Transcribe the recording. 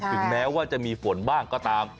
ติดแนว่าจะมีฝนบ้างก็ตาม